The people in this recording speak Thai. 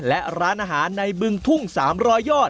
และร้านอาหารในบึงทุ่ง๓๐๐ยอด